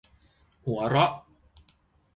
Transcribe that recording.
หัวเราะ